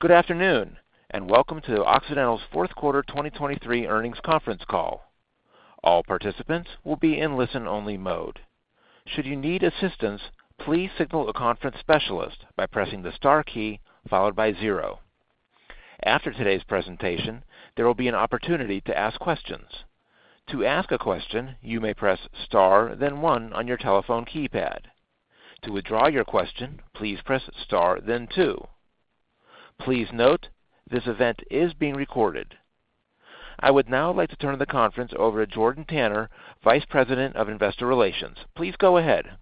Good afternoon and welcome to Occidental's fourth quarter 2023 earnings conference call. All participants will be in listen-only mode. Should you need assistance, please signal a conference specialist by pressing the star key followed by zero. After today's presentation, there will be an opportunity to ask questions. To ask a question, you may press star then one on your telephone keypad. To withdraw your question, please press star then two. Please note, this event is being recorded. I would now like to turn the conference over to Jordan Tanner, Vice President of Investor Relations. Please go ahead.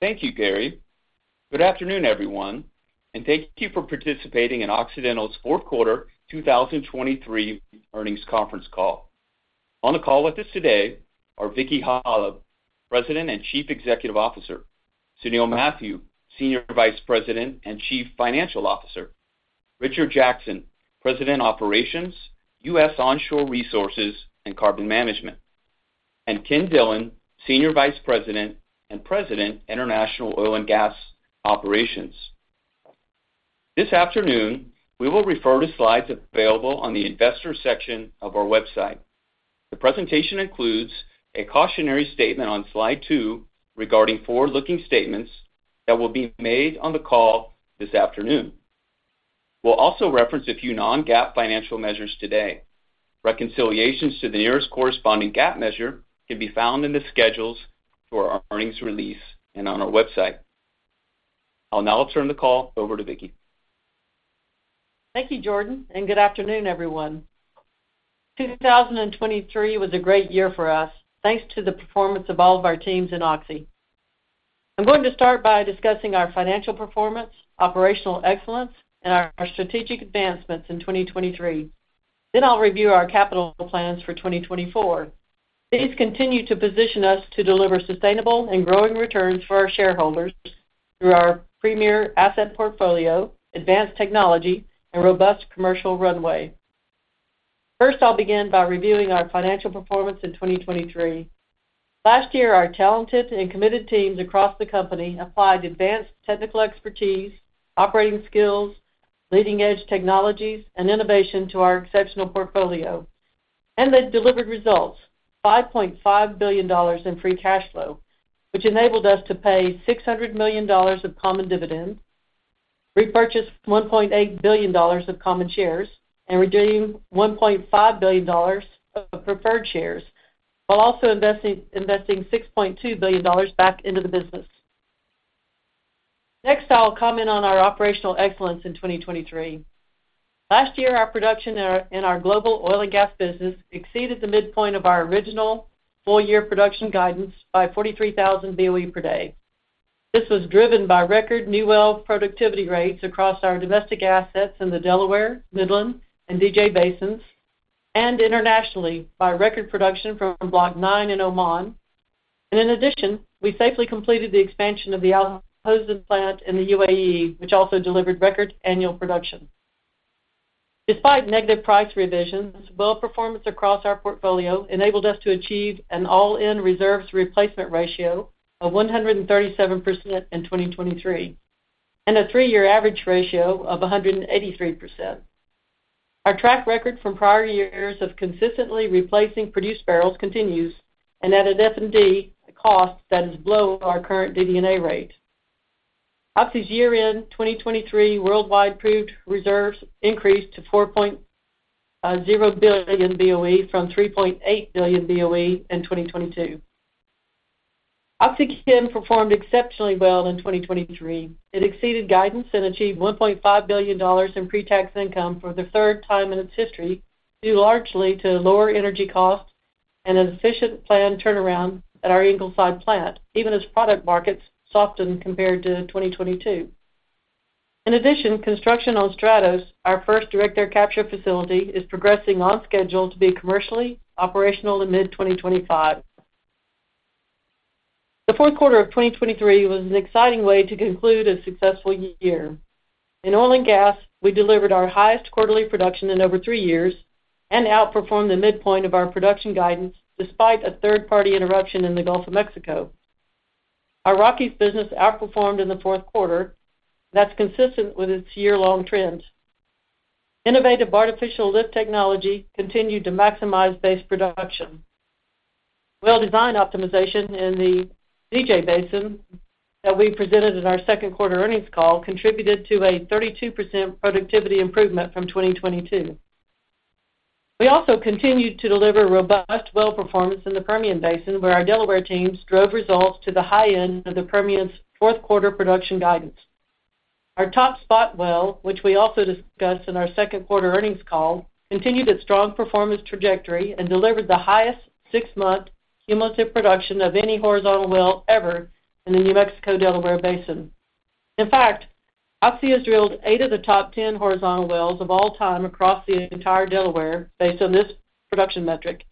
Thank you, Gary. Good afternoon, everyone, and thank you for participating in Occidental's fourth quarter 2023 earnings conference call. On the call with us today are Vicki Hollub, President and Chief Executive Officer, Sunil Mathew, Senior Vice President and Chief Financial Officer, Richard Jackson, President Operations, U.S. Onshore Resources and Carbon Management, and Ken Dillon, Senior Vice President and President International Oil and Gas Operations. This afternoon, we will refer to slides available on the Investor section of our website. The presentation includes a cautionary statement on slide two regarding forward-looking statements that will be made on the call this afternoon. We'll also reference a few non-GAAP financial measures today. Reconciliations to the nearest corresponding GAAP measure can be found in the schedules for our earnings release and on our website. I'll now turn the call over to Vicki. Thank you, Jordan, and good afternoon, everyone. 2023 was a great year for us, thanks to the performance of all of our teams in Oxy. I'm going to start by discussing our financial performance, operational excellence, and our strategic advancements in 2023. Then I'll review our capital plans for 2024. These continue to position us to deliver sustainable and growing returns for our shareholders through our premier asset portfolio, advanced technology, and robust commercial runway. First, I'll begin by reviewing our financial performance in 2023. Last year, our talented and committed teams across the company applied advanced technical expertise, operating skills, leading-edge technologies, and innovation to our exceptional portfolio. They delivered results: $5.5 billion in free cash flow, which enabled us to pay $600 million of common dividend, repurchase $1.8 billion of common shares, and redeem $1.5 billion of preferred shares, while also investing $6.2 billion back into the business. Next, I'll comment on our operational excellence in 2023. Last year, our production in our global oil and gas business exceeded the midpoint of our original full-year production guidance by 43,000 BOE per day. This was driven by record new well productivity rates across our domestic assets in the Delaware, Midland, and DJ Basins, and internationally by record production from Block 9 in Oman. In addition, we safely completed the expansion of the Al Hosn plant in the UAE, which also delivered record annual production. Despite negative price revisions, well performance across our portfolio enabled us to achieve an all-in reserves replacement ratio of 137% in 2023 and a three-year average ratio of 183%. Our track record from prior years of consistently replacing produced barrels continues and at an F&D cost that is below our current DD&A rate. Oxy's year-end 2023 worldwide proved reserves increased to 4.0 billion BOE from 3.8 billion BOE in 2022. OxyChem performed exceptionally well in 2023. It exceeded guidance and achieved $1.5 billion in pre-tax income for the third time in its history, due largely to lower energy costs and an efficient planned turnaround at our Ingleside plant, even as product markets softened compared to 2022. In addition, construction on STRATOS, our first Direct Air Capture facility, is progressing on schedule to be commercially operational in mid-2025. The fourth quarter of 2023 was an exciting way to conclude a successful year. In oil and gas, we delivered our highest quarterly production in over three years and outperformed the midpoint of our production guidance despite a third-party interruption in the Gulf of Mexico. Our Rockies business outperformed in the fourth quarter. That's consistent with its year-long trend. Innovative artificial lift technology continued to maximize base production. Well design optimization in the DJ Basin that we presented in our second quarter earnings call contributed to a 32% productivity improvement from 2022. We also continued to deliver robust well performance in the Permian Basin, where our Delaware teams drove results to the high end of the Permian's fourth quarter production guidance. Our top spot well, which we also discussed in our second quarter earnings call, continued its strong performance trajectory and delivered the highest six-month cumulative production of any horizontal well ever in the New Mexico-Delaware Basin. In fact, Oxy has drilled eight of the top 10 horizontal wells of all time across the entire Delaware Basin based on this production metric,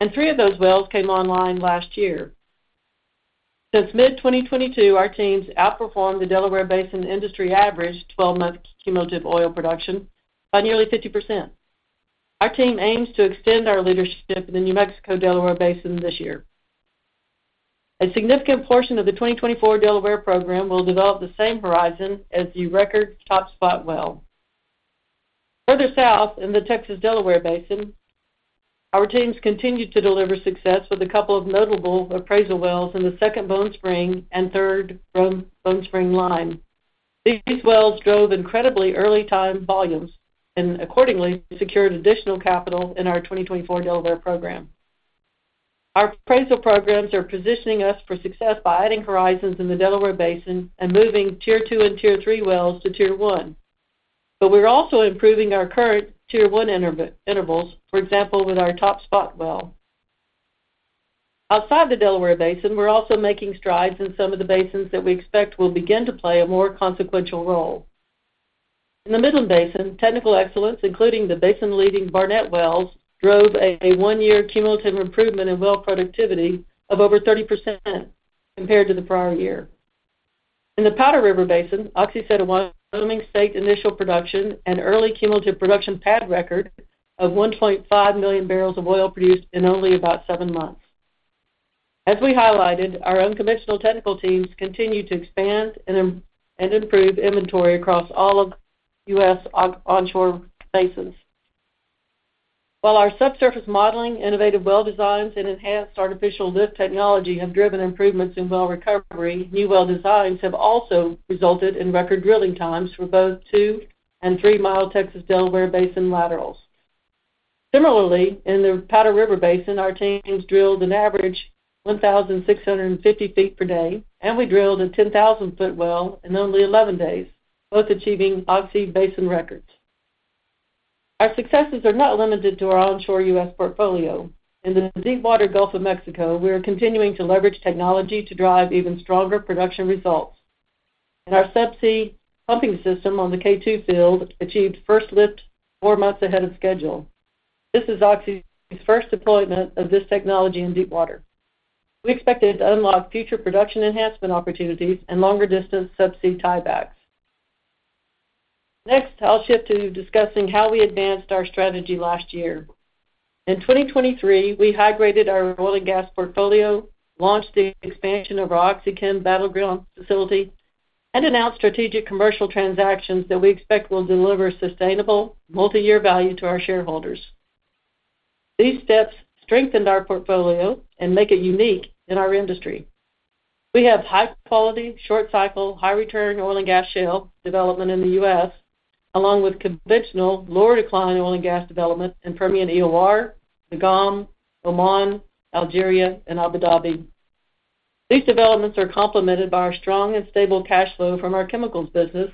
and three of those wells came online last year. Since mid-2022, our teams outperformed the Delaware Basin industry average 12-month cumulative oil production by nearly 50%. Our team aims to extend our leadership in the New Mexico-Delaware Basin this year. A significant portion of the 2024 Delaware program will develop the same horizon as the record top spot well. Further south in the Texas-Delaware Basin, our teams continued to deliver success with a couple of notable appraisal wells in the Second Bone Spring and Third Bone Spring Lime. These wells drove incredibly early-time volumes and accordingly secured additional capital in our 2024 Delaware program. Our appraisal programs are positioning us for success by adding horizons in the Delaware Basin and moving Tier 2 and Tier 3 wells to Tier 1. But we're also improving our current Tier 1 intervals, for example, with our top spot well. Outside the Delaware Basin, we're also making strides in some of the basins that we expect will begin to play a more consequential role. In the Midland Basin, technical excellence, including the basin-leading Barnett wells, drove a one-year cumulative improvement in well productivity of over 30% compared to the prior year. In the Powder River Basin, Oxy set a booming state initial production and early cumulative production pad record of 1.5 million bbl of oil produced in only about seven months. As we highlighted, our unconventional technical teams continue to expand and improve inventory across all of U.S. onshore basins. While our subsurface modeling, innovative well designs, and enhanced artificial lift technology have driven improvements in well recovery, new well designs have also resulted in record drilling times for both 2-mi and 3-mi Delaware Basin laterals. Similarly, in the Powder River Basin, our teams drilled an average 1,650 ft per day, and we drilled a 10,000-ft well in only 11 days, both achieving Oxy Basin records. Our successes are not limited to our onshore U.S. portfolio. In the deepwater Gulf of Mexico, we are continuing to leverage technology to drive even stronger production results. Our subsea pumping system on the K2 Field achieved first lift four months ahead of schedule. This is Oxy's first deployment of this technology in deepwater. We expect it to unlock future production enhancement opportunities and longer-distance subsea tie-backs. Next, I'll shift to discussing how we advanced our strategy last year. In 2023, we high-graded our oil and gas portfolio, launched the expansion of our OxyChem Battleground facility, and announced strategic commercial transactions that we expect will deliver sustainable multi-year value to our shareholders. These steps strengthened our portfolio and make it unique in our industry. We have high-quality, short-cycle, high-return oil and gas shale development in the U.S., along with conventional lower-decline oil and gas development in Permian EOR, the GOM, Oman, Algeria, and Abu Dhabi. These developments are complemented by our strong and stable cash flow from our chemicals business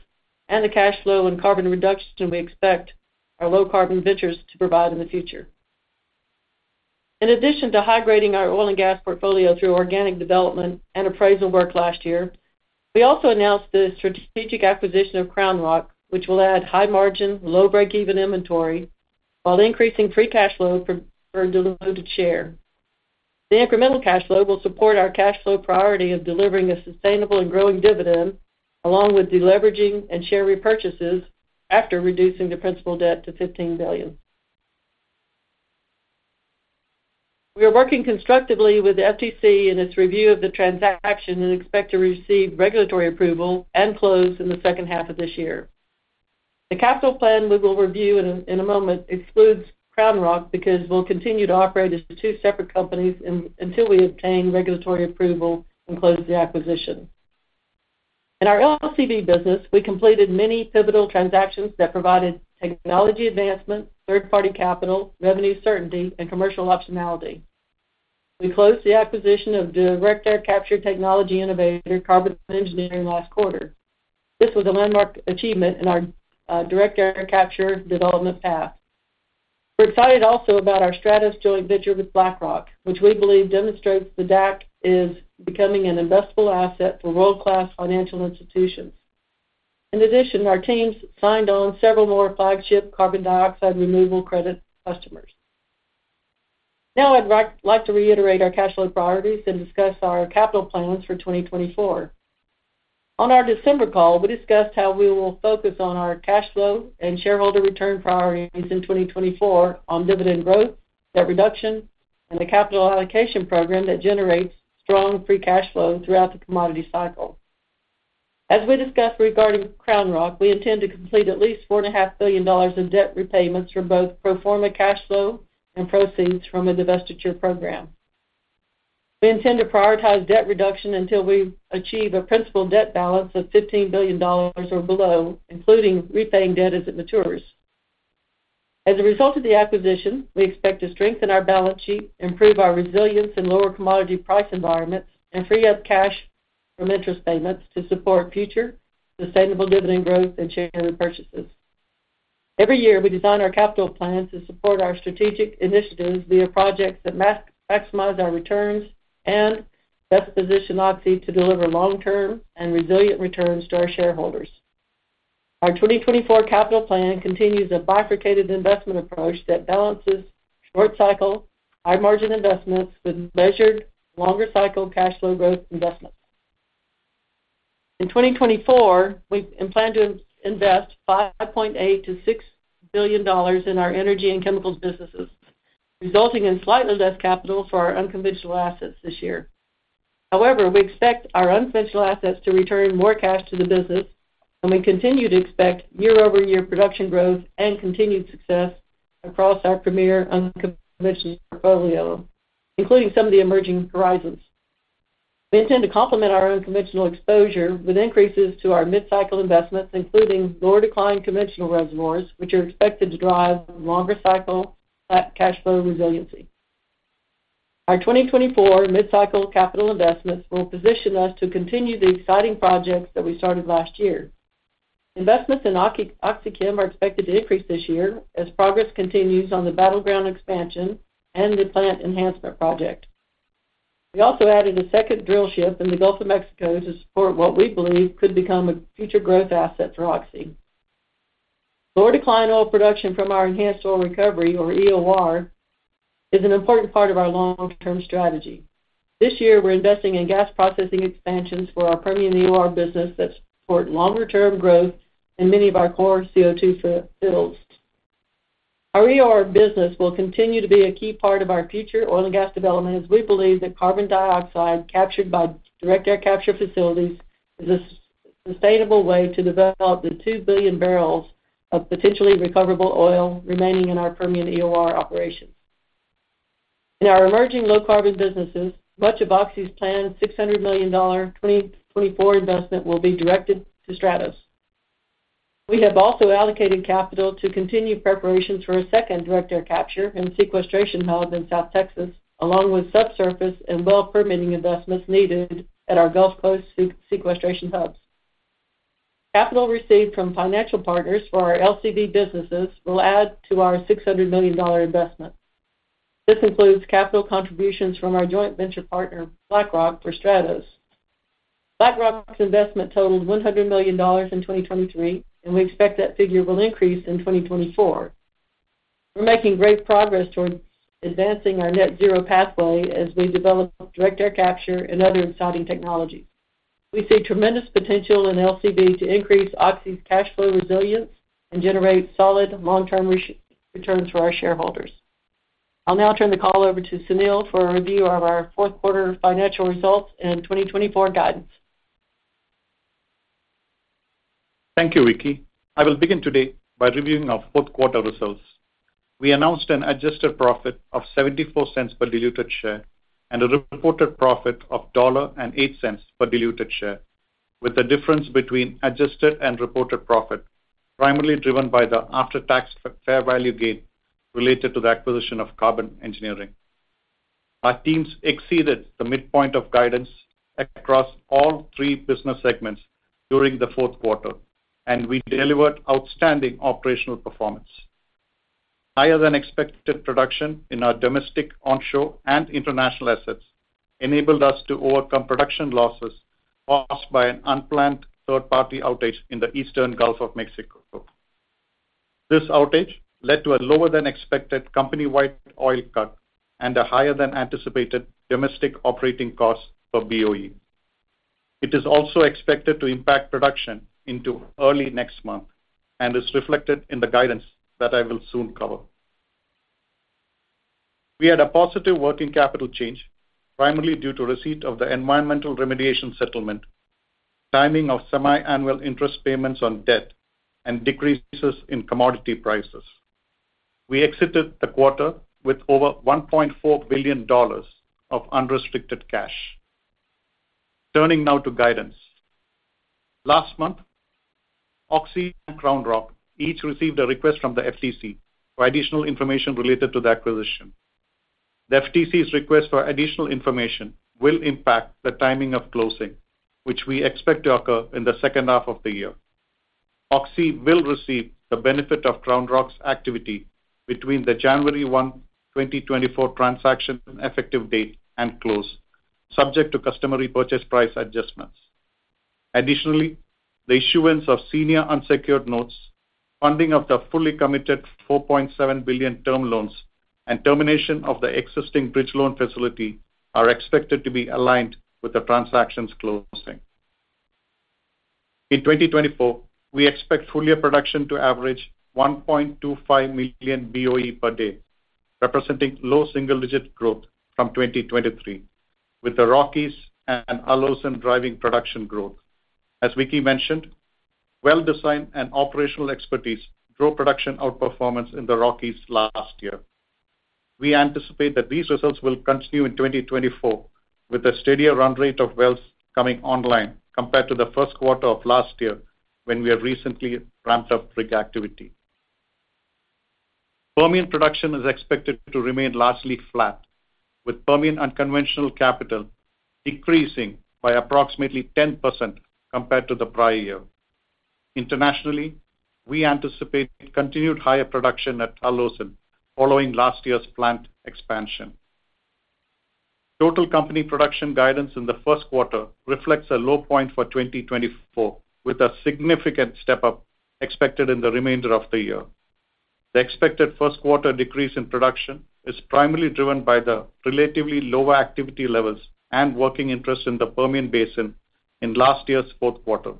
and the cash flow and carbon reduction we expect our low-carbon ventures to provide in the future. In addition to high-grading our oil and gas portfolio through organic development and appraisal work last year, we also announced the strategic acquisition of CrownRock, which will add high-margin, low-break-even inventory while increasing free cash flow per diluted share. The incremental cash flow will support our cash flow priority of delivering a sustainable and growing dividend, along with deleveraging and share repurchases after reducing the principal debt to $15 billion. We are working constructively with the FTC in its review of the transaction and expect to receive regulatory approval and close in the second half of this year. The capital plan we will review in a moment excludes CrownRock because we'll continue to operate as two separate companies until we obtain regulatory approval and close the acquisition. In our LCV business, we completed many pivotal transactions that provided technology advancement, third-party capital, revenue certainty, and commercial optionality. We closed the acquisition of Direct Air Capture technology innovator Carbon Engineering last quarter. This was a landmark achievement in our Direct Air Capture development path. We're excited also about our STRATOS joint venture with BlackRock, which we believe demonstrates the DAC is becoming an investable asset for world-class financial institutions. In addition, our teams signed on several more flagship carbon dioxide removal credit customers. Now, I'd like to reiterate our cash flow priorities and discuss our capital plans for 2024. On our December call, we discussed how we will focus on our cash flow and shareholder return priorities in 2024 on dividend growth, debt reduction, and the capital allocation program that generates strong free cash flow throughout the commodity cycle. As we discussed regarding CrownRock, we intend to complete at least $4.5 billion in debt repayments for both pro forma cash flow and proceeds from a divestiture program. We intend to prioritize debt reduction until we achieve a principal debt balance of $15 billion or below, including repaying debt as it matures. As a result of the acquisition, we expect to strengthen our balance sheet, improve our resilience in lower commodity price environments, and free up cash from interest payments to support future sustainable dividend growth and share repurchases. Every year, we design our capital plans to support our strategic initiatives via projects that maximize our returns and best position Oxy to deliver long-term and resilient returns to our shareholders. Our 2024 capital plan continues a bifurcated investment approach that balances short-cycle, high-margin investments with measured longer-cycle cash flow growth investments. In 2024, we plan to invest $5.8 billion-$6 billion in our energy and chemicals businesses, resulting in slightly less capital for our unconventional assets this year. However, we expect our unconventional assets to return more cash to the business, and we continue to expect year-over-year production growth and continued success across our premier unconventional portfolio, including some of the emerging horizons. We intend to complement our unconventional exposure with increases to our mid-cycle investments, including lower-decline conventional reservoirs, which are expected to drive longer-cycle flat cash flow resiliency. Our 2024 mid-cycle capital investments will position us to continue the exciting projects that we started last year. Investments in OxyChem are expected to increase this year as progress continues on the Battleground expansion and the plant enhancement project. We also added a second drillship in the Gulf of Mexico to support what we believe could become a future growth asset for Oxy. Lower-decline oil production from our Enhanced Oil Recovery, or EOR, is an important part of our long-term strategy. This year, we're investing in gas processing expansions for our Permian EOR business that support longer-term growth in many of our core CO2 fields. Our EOR business will continue to be a key part of our future oil and gas development as we believe that carbon dioxide captured by Direct Air Capture facilities is a sustainable way to develop the 2 billion bbl of potentially recoverable oil remaining in our Permian EOR operations. In our emerging low-carbon businesses, much of Oxy's planned $600 million 2024 investment will be directed to STRATOS. We have also allocated capital to continue preparations for a second Direct Air Capture and sequestration hub in South Texas, along with subsurface and well-permitting investments needed at our Gulf Coast sequestration hubs. Capital received from financial partners for our LCV businesses will add to our $600 million investment. This includes capital contributions from our joint venture partner, BlackRock, for STRATOS. BlackRock's investment totaled $100 million in 2023, and we expect that figure will increase in 2024. We're making great progress towards advancing our net-zero pathway as we develop Direct Air Capture and other exciting technologies. We see tremendous potential in LCV to increase Oxy's cash flow resilience and generate solid long-term returns for our shareholders. I'll now turn the call over to Sunil for a review of our fourth quarter financial results and 2024 guidance. Thank you, Vicki. I will begin today by reviewing our fourth quarter results. We announced an adjusted profit of $0.74 per diluted share and a reported profit of $1.08 per diluted share, with the difference between adjusted and reported profit primarily driven by the after-tax fair value gain related to the acquisition of Carbon Engineering. Our teams exceeded the midpoint of guidance across all three business segments during the fourth quarter, and we delivered outstanding operational performance. Higher-than-expected production in our domestic, onshore, and international assets enabled us to overcome production losses caused by an unplanned third-party outage in the Eastern Gulf of Mexico. This outage led to a lower-than-expected company-wide oil cut and a higher-than-anticipated domestic operating cost per BOE. It is also expected to impact production into early next month and is reflected in the guidance that I will soon cover. We had a positive working capital change, primarily due to receipt of the environmental remediation settlement, timing of semi-annual interest payments on debt, and decreases in commodity prices. We exited the quarter with over $1.4 billion of unrestricted cash. Turning now to guidance. Last month, Oxy and CrownRock each received a request from the FTC for additional information related to the acquisition. The FTC's request for additional information will impact the timing of closing, which we expect to occur in the second half of the year. Oxy will receive the benefit of CrownRock's activity between the January 1, 2024 transaction effective date and close, subject to customary purchase price adjustments. Additionally, the issuance of senior unsecured notes, funding of the fully committed $4.7 billion term loans, and termination of the existing bridge loan facility are expected to be aligned with the transaction's closing. In 2024, we expect full-year production to average 1.25 million BOE per day, representing low single-digit growth from 2023, with the Rockies and Al Hosn driving production growth. As Vicki mentioned, well-design and operational expertise drove production outperformance in the Rockies last year. We anticipate that these results will continue in 2024 with a steadier run rate of wells coming online compared to the first quarter of last year when we have recently ramped up rig activity. Permian production is expected to remain largely flat, with Permian unconventional capital decreasing by approximately 10% compared to the prior year. Internationally, we anticipate continued higher production at Al Hosn following last year's plant expansion. Total company production guidance in the first quarter reflects a low point for 2024, with a significant step-up expected in the remainder of the year. The expected first quarter decrease in production is primarily driven by the relatively lower activity levels and working interest in the Permian Basin in last year's fourth quarter.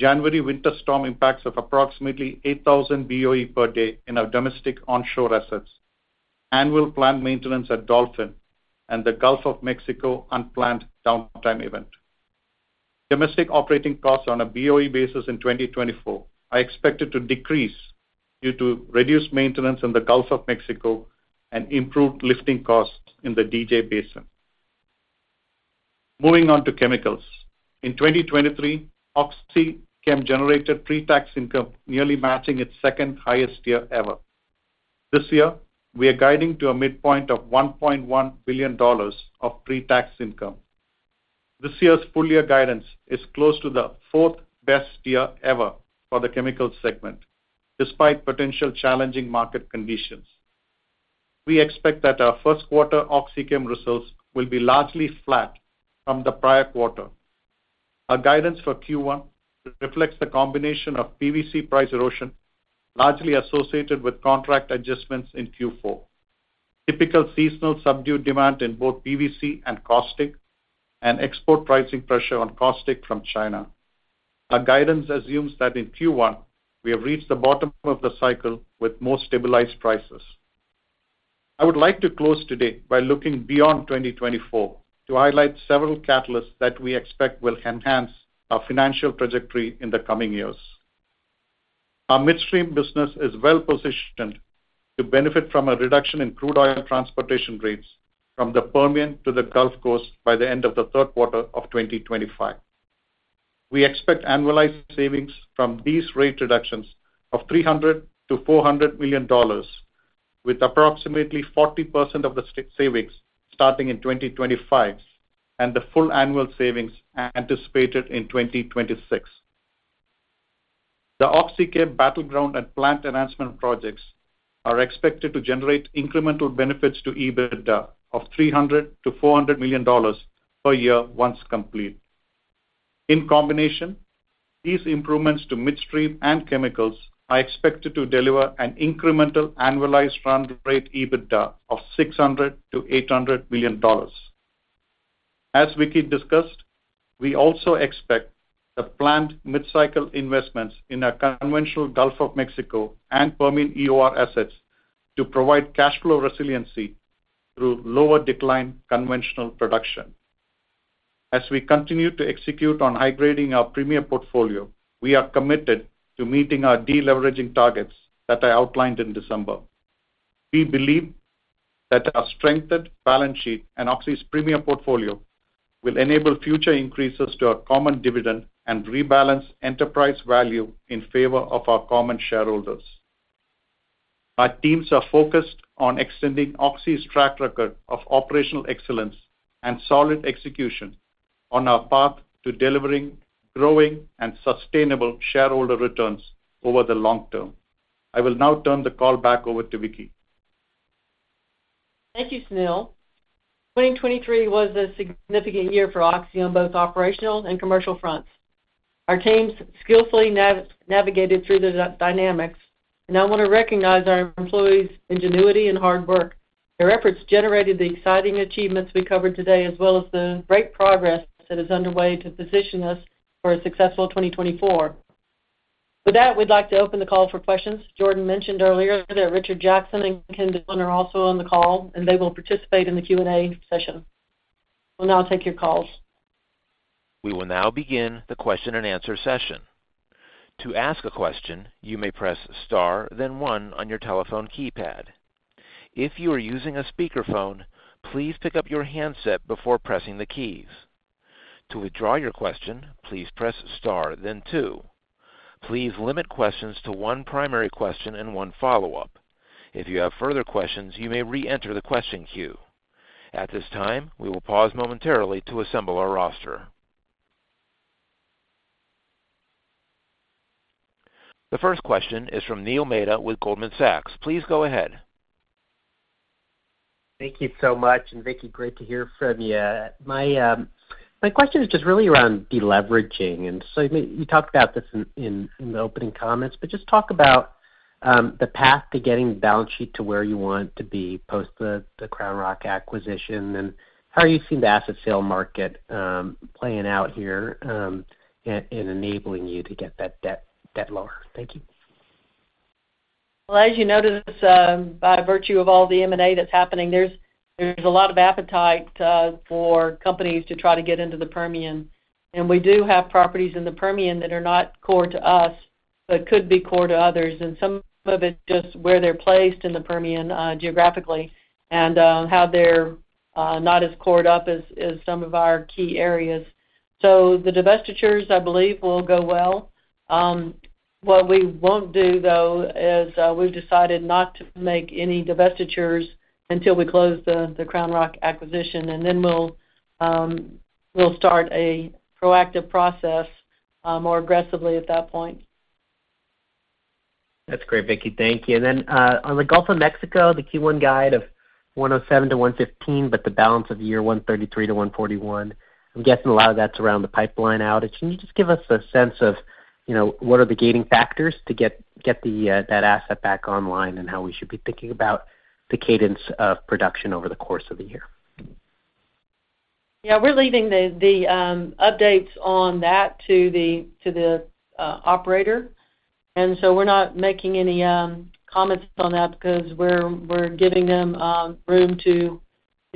January winter storm impacts of approximately 8,000 BOE per day in our domestic onshore assets, annual plant maintenance at Dolphin, and the Gulf of Mexico unplanned downtime event. Domestic operating costs on a BOE basis in 2024 are expected to decrease due to reduced maintenance in the Gulf of Mexico and improved lifting costs in the DJ Basin. Moving on to chemicals. In 2023, OxyChem generated pre-tax income nearly matching its second highest year ever. This year, we are guiding to a midpoint of $1.1 billion of pre-tax income. This year's full-year guidance is close to the fourth best year ever for the chemical segment, despite potential challenging market conditions. We expect that our first quarter OxyChem results will be largely flat from the prior quarter. Our guidance for Q1 reflects the combination of PVC price erosion largely associated with contract adjustments in Q4, typical seasonal subdued demand in both PVC and caustic, and export pricing pressure on caustic from China. Our guidance assumes that in Q1, we have reached the bottom of the cycle with more stabilized prices. I would like to close today by looking beyond 2024 to highlight several catalysts that we expect will enhance our financial trajectory in the coming years. Our midstream business is well positioned to benefit from a reduction in crude oil transportation rates from the Permian to the Gulf Coast by the end of the third quarter of 2025. We expect annualized savings from these rate reductions of $300 million-$400 million, with approximately 40% of the savings starting in 2025 and the full annual savings anticipated in 2026. The OxyChem Battleground and plant enhancement projects are expected to generate incremental benefits to EBITDA of $300 million-$400 million per year once complete. In combination, these improvements to midstream and chemicals are expected to deliver an incremental annualized run rate EBITDA of $600 million-$800 million. As Vicki discussed, we also expect the planned midcycle investments in our conventional Gulf of Mexico and Permian EOR assets to provide cash flow resiliency through lower-decline conventional production. As we continue to execute on high-grading our premier portfolio, we are committed to meeting our deleveraging targets that I outlined in December. We believe that our strengthened balance sheet and Oxy's premier portfolio will enable future increases to our common dividend and rebalance enterprise value in favor of our common shareholders. Our teams are focused on extending Oxy's track record of operational excellence and solid execution on our path to delivering growing and sustainable shareholder returns over the long term. I will now turn the call back over to Vicki. Thank you, Sunil. 2023 was a significant year for Oxy on both operational and commercial fronts. Our teams skillfully navigated through the dynamics, and I want to recognize our employees' ingenuity and hard work. Their efforts generated the exciting achievements we covered today, as well as the great progress that is underway to position us for a successful 2024. With that, we'd like to open the call for questions. Jordan mentioned earlier that Richard Jackson and Ken Dillon are also on the call, and they will participate in the Q&A session. We'll now take your calls. We will now begin the question-and-answer session. To ask a question, you may press star then one on your telephone keypad. If you are using a speakerphone, please pick up your handset before pressing the keys. To withdraw your question, please press star then two. Please limit questions to one primary question and one follow-up. If you have further questions, you may re-enter the question queue. At this time, we will pause momentarily to assemble our roster. The first question is from Neil Mehta with Goldman Sachs. Please go ahead. Thank you so much. And, Vicki, great to hear from you. My question is just really around deleveraging. And so you talked about this in the opening comments, but just talk about the path to getting the balance sheet to where you want to be post the CrownRock acquisition and how you've seen the asset sale market playing out here and enabling you to get that debt lower. Thank you. Well, as you notice, by virtue of all the M&A that's happening, there's a lot of appetite for companies to try to get into the Permian. And we do have properties in the Permian that are not core to us but could be core to others, and some of it's just where they're placed in the Permian geographically and how they're not as core up as some of our key areas. So the divestitures, I believe, will go well. What we won't do, though, is we've decided not to make any divestitures until we close the CrownRock acquisition, and then we'll start a proactive process more aggressively at that point. That's great, Vicki. Thank you. Then on the Gulf of Mexico, the Q1 guide of $107 million-$115 million, but the balance of the year $133-$141 million, I'm guessing a lot of that's around the pipeline outage. Can you just give us a sense of what are the gating factors to get that asset back online and how we should be thinking about the cadence of production over the course of the year? Yeah, we're leaving the updates on that to the operator. And so we're not making any comments on that because we're giving them room to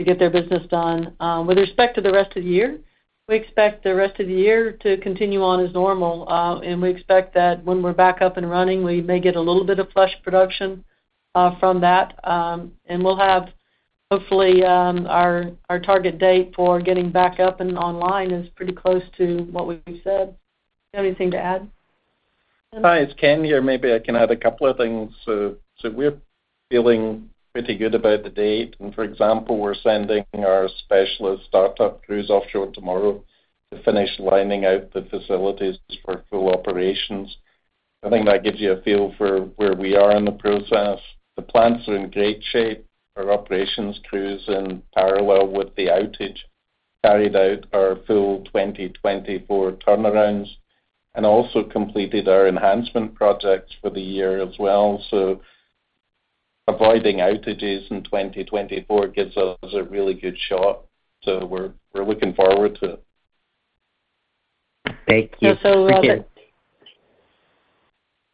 get their business done. With respect to the rest of the year, we expect the rest of the year to continue on as normal, and we expect that when we're back up and running, we may get a little bit of flush production from that. And we'll have hopefully our target date for getting back up and online is pretty close to what we've said. Do you have anything to add? Hi, it's Ken here. Maybe I can add a couple of things. So we're feeling pretty good about the date. And, for example, we're sending our specialist startup crews offshore tomorrow to finish lining out the facilities for full operations. I think that gives you a feel for where we are in the process. The plants are in great shape. Our operations crews, in parallel with the outage, carried out our full 2024 turnarounds and also completed our enhancement projects for the year as well. So avoiding outages in 2024 gives us a really good shot. So we're looking forward to it. Thank you. Yeah, so.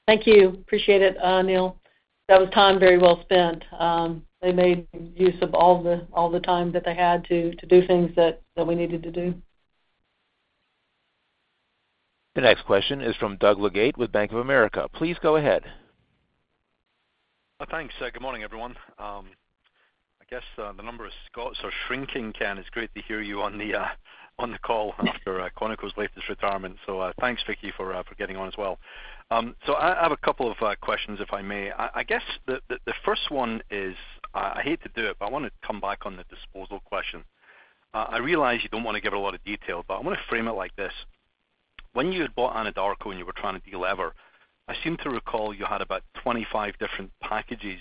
Thank you. Appreciate it, Neil. That was time very well spent. They made use of all the time that they had to do things that we needed to do. The next question is from Doug Leggate with Bank of America. Please go ahead. Thanks. Good morning, everyone. I guess the number is so shrinking, Ken. It's great to hear you on the call after Conoco's latest retirement. So thanks, Vicki, for getting on as well. So I have a couple of questions, if I may. I guess the first one is I hate to do it, but I want to come back on the disposal question. I realize you don't want to give a lot of detail, but I want to frame it like this. When you had bought Anadarko and you were trying to delever, I seem to recall you had about 25 different packages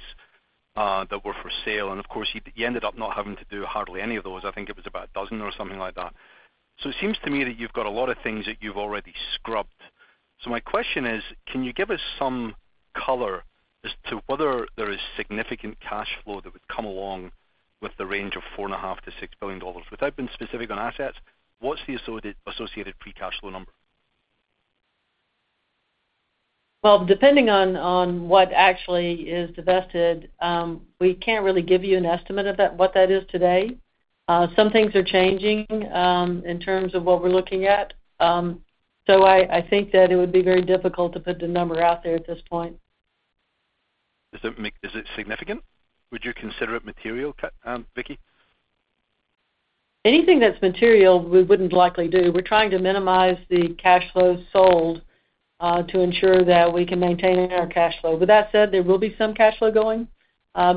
that were for sale. And, of course, you ended up not having to do hardly any of those. I think it was about a dozen or something like that. So it seems to me that you've got a lot of things that you've already scrubbed. So my question is, can you give us some color as to whether there is significant cash flow that would come along with the range of $4.5 billion-$6 billion? Without being specific on assets, what's the associated pre-cash flow number? Well, depending on what actually is divested, we can't really give you an estimate of what that is today. Some things are changing in terms of what we're looking at. So I think that it would be very difficult to put the number out there at this point. Is it significant? Would you consider it material, Vicki? Anything that's material, we wouldn't likely do. We're trying to minimize the cash flow sold to ensure that we can maintain our cash flow. With that said, there will be some cash flow going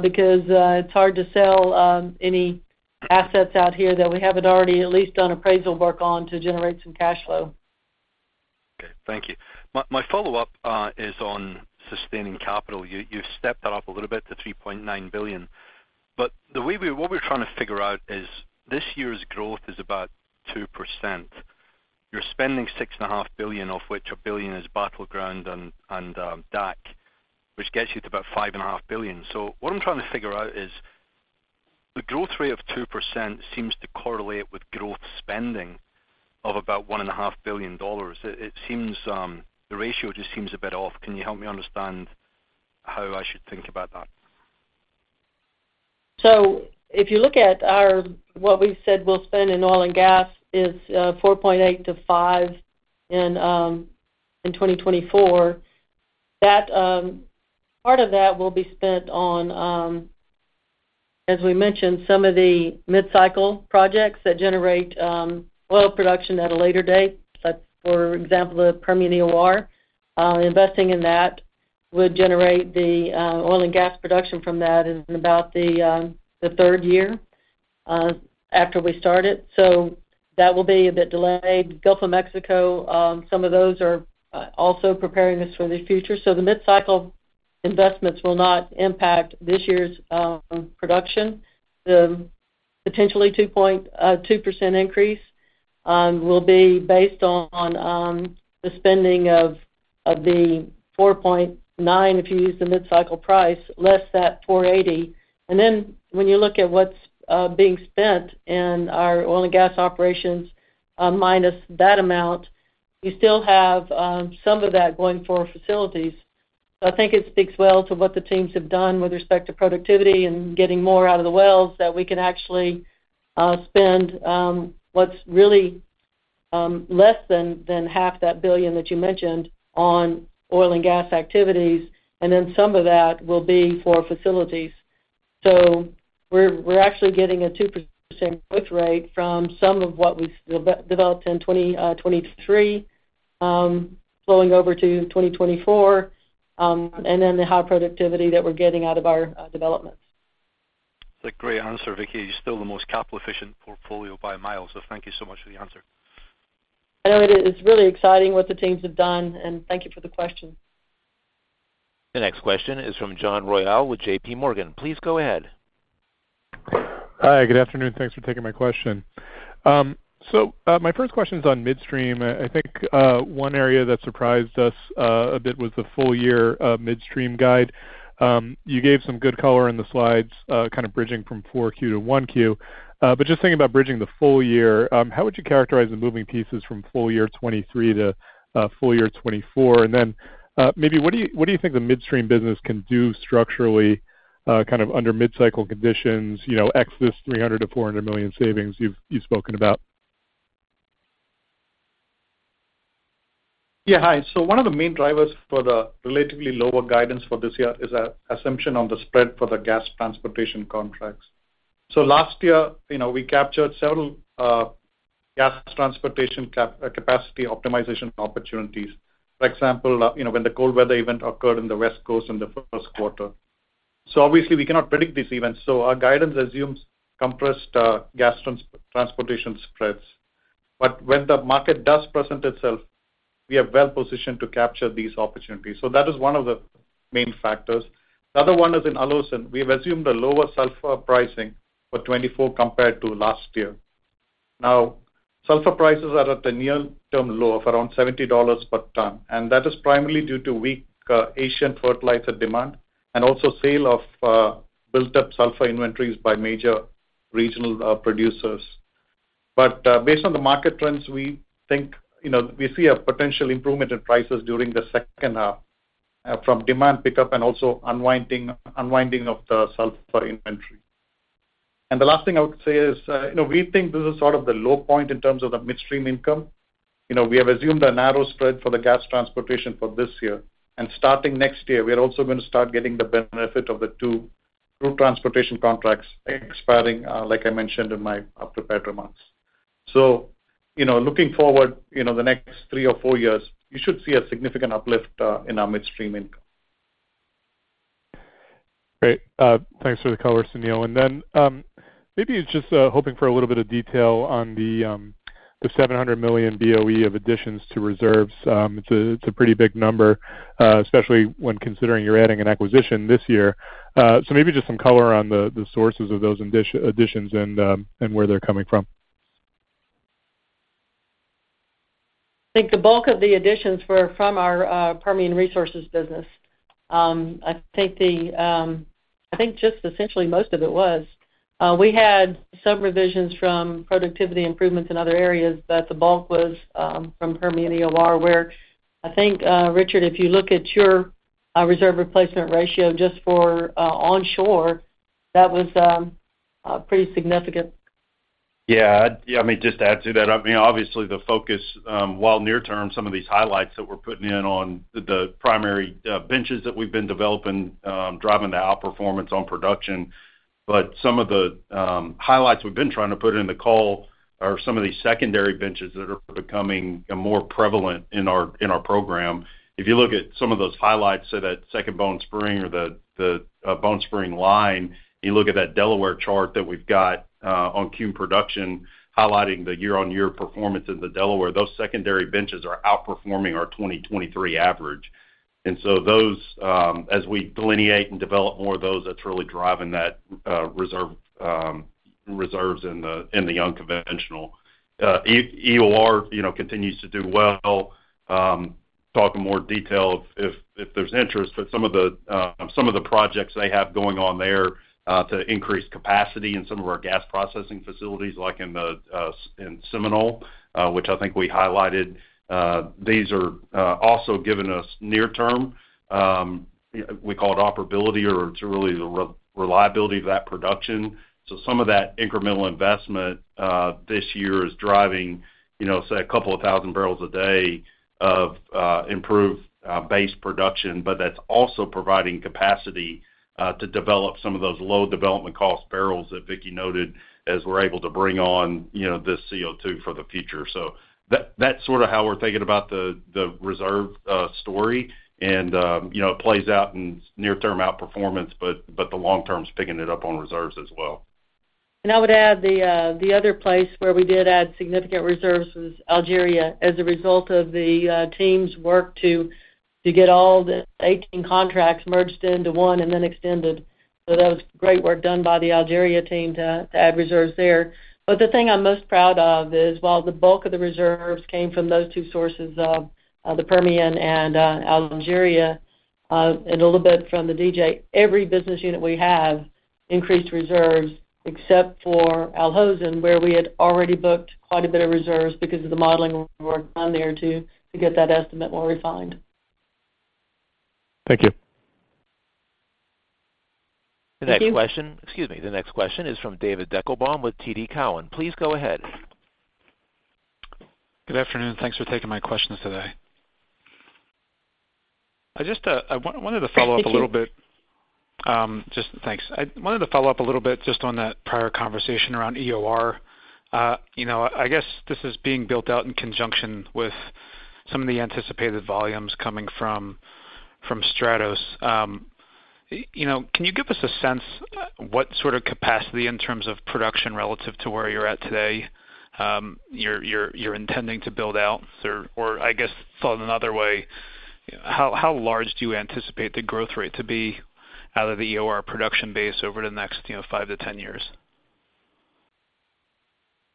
because it's hard to sell any assets out here that we haven't already at least done appraisal work on to generate some cash flow. Okay. Thank you. My follow-up is on sustaining capital. You've stepped that up a little bit to $3.9 billion. But what we're trying to figure out is this year's growth is about 2%. You're spending $6.5 billion, of which $1 billion is Battleground and DAC, which gets you to about $5.5 billion. So what I'm trying to figure out is the growth rate of 2% seems to correlate with growth spending of about $1.5 billion. The ratio just seems a bit off. Can you help me understand how I should think about that? If you look at what we've said we'll spend in oil and gas is $4.8 billion-$5 billion in 2024, part of that will be spent on, as we mentioned, some of the midcycle projects that generate oil production at a later date. For example, the Permian EOR, investing in that would generate the oil and gas production from that in about the third year after we start it. That will be a bit delayed. Gulf of Mexico, some of those are also preparing us for the future. The midcycle investments will not impact this year's production. The potentially 2% increase will be based on the spending of the $4.9 billion, if you use the midcycle price, less that $480 million. And then when you look at what's being spent in our oil and gas operations minus that amount, you still have some of that going for facilities. I think it speaks well to what the teams have done with respect to productivity and getting more out of the wells that we can actually spend what's really less than $500 million on oil and gas activities. Then some of that will be for facilities. We're actually getting a 2% growth rate from some of what we developed in 2023 flowing over to 2024 and then the high productivity that we're getting out of our developments. That's a great answer, Vicki. You're still the most capital-efficient portfolio by miles. So thank you so much for the answer. I know it is really exciting what the teams have done. Thank you for the question. The next question is from John Royall with JPMorgan. Please go ahead. Hi. Good afternoon. Thanks for taking my question. So my first question is on midstream. I think one area that surprised us a bit was the full-year midstream guide. You gave some good color in the slides, kind of bridging from 4Q to 1Q. But just thinking about bridging the full year, how would you characterize the moving pieces from full year 2023 to full year 2024? And then maybe what do you think the midstream business can do structurally kind of under midcycle conditions, ex this $300 million-$400 million savings you've spoken about? Yeah. Hi. So one of the main drivers for the relatively lower guidance for this year is an assumption on the spread for the gas transportation contracts. So last year, we captured several gas transportation capacity optimization opportunities, for example, when the cold weather event occurred in the West Coast in the first quarter. So obviously, we cannot predict these events. So our guidance assumes compressed gas transportation spreads. But when the market does present itself, we are well positioned to capture these opportunities. So that is one of the main factors. The other one is in Al Hosn. We have assumed a lower sulfur pricing for 2024 compared to last year. Now, sulfur prices are at a near-term low of around $70 per ton. And that is primarily due to weak Asian fertilizer demand and also sale of built-up sulfur inventories by major regional producers. Based on the market trends, we think we see a potential improvement in prices during the second half from demand pickup and also unwinding of the sulfur inventory. The last thing I would say is we think this is sort of the low point in terms of the midstream income. We have assumed a narrow spread for the gas transportation for this year. Starting next year, we are also going to start getting the benefit of the two crude transportation contracts expiring, like I mentioned in my prepared remarks. Looking forward, the next three or four years, you should see a significant uplift in our midstream income. Great. Thanks for the color, Sunil. Then maybe just hoping for a little bit of detail on the 700 million BOE of additions to reserves. It's a pretty big number, especially when considering you're adding an acquisition this year. So maybe just some color on the sources of those additions and where they're coming from. I think the bulk of the additions were from our Permian resources business. I think just essentially most of it was. We had some revisions from productivity improvements in other areas, but the bulk was from Permian EOR, where I think, Richard, if you look at your reserve replacement ratio just for onshore, that was pretty significant. Yeah. I mean, just to add to that, I mean, obviously, the focus, while near-term, some of these highlights that we're putting in on the primary benches that we've been developing, driving the outperformance on production. But some of the highlights we've been trying to put in the call are some of these secondary benches that are becoming more prevalent in our program. If you look at some of those highlights, say that Second Bone Spring or the Bone Spring line, you look at that Delaware chart that we've got on cum production, highlighting the year-on-year performance in the Delaware, those secondary benches are outperforming our 2023 average. And so as we delineate and develop more of those, that's really driving that reserve in the young conventional. EOR continues to do well. Talk in more detail if there's interest. But some of the projects they have going on there to increase capacity in some of our gas processing facilities, like in Seminole, which I think we highlighted, these are also giving us near-term. We call it operability, or it's really the reliability of that production. So some of that incremental investment this year is driving, say, 2,000 bbl a day of improved base production, but that's also providing capacity to develop some of those low development cost barrels that Vicki noted as we're able to bring on this CO2 for the future. So that's sort of how we're thinking about the reserve story. And it plays out in near-term outperformance, but the long-term is picking it up on reserves as well. I would add the other place where we did add significant reserves was Algeria. As a result of the team's work to get all the 18 contracts merged into one and then extended. That was great work done by the Algeria team to add reserves there. But the thing I'm most proud of is, while the bulk of the reserves came from those two sources, the Permian and Algeria, and a little bit from the DJ, every business unit we have increased reserves except for Al Hosn, where we had already booked quite a bit of reserves because of the modeling work done there to get that estimate more refined. Thank you. The next question, excuse me. The next question is from David Deckelbaum with TD Cowen. Please go ahead. Good afternoon. Thanks for taking my questions today. I wanted to follow up a little bit just on that prior conversation around EOR. I guess this is being built out in conjunction with some of the anticipated volumes coming from STRATOS. Can you give us a sense what sort of capacity in terms of production relative to where you're at today you're intending to build out? Or I guess thought another way, how large do you anticipate the growth rate to be out of the EOR production base over the next five to 10 years?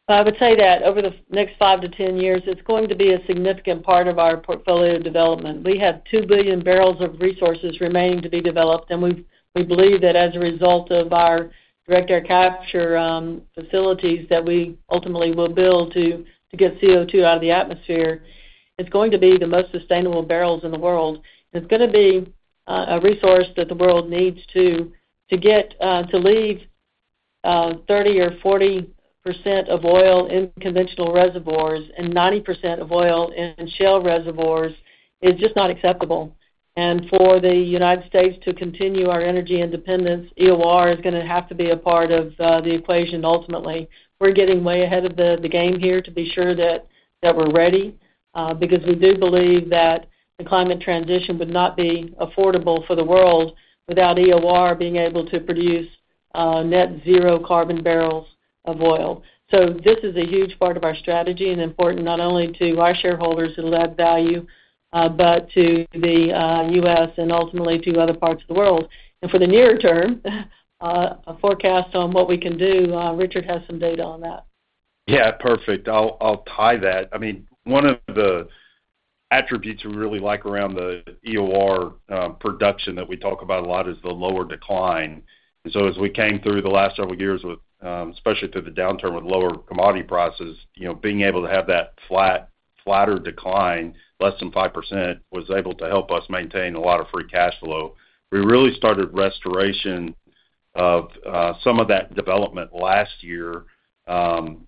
I would say that over the next five to 10 years, it's going to be a significant part of our portfolio development. We have 2 billion bbl of resources remaining to be developed. We believe that as a result of our Direct Air Capture facilities that we ultimately will build to get CO2 out of the atmosphere, it's going to be the most sustainable barrels in the world. It's going to be a resource that the world needs to leave 30% or 40% of oil in conventional reservoirs and 90% of oil in shale reservoirs is just not acceptable. For the United States to continue our energy independence, EOR is going to have to be a part of the equation ultimately. We're getting way ahead of the game here to be sure that we're ready because we do believe that the climate transition would not be affordable for the world without EOR being able to produce net-zero carbon barrels of oil. So this is a huge part of our strategy and important not only to our shareholders that will add value, but to the U.S. and ultimately to other parts of the world. For the near term, a forecast on what we can do, Richard has some data on that. Yeah. Perfect. I'll tie that. I mean, one of the attributes we really like around the EOR production that we talk about a lot is the lower decline. And so as we came through the last several years, especially through the downturn with lower commodity prices, being able to have that flatter decline, less than 5%, was able to help us maintain a lot of free cash flow. We really started restoration of some of that development last year. And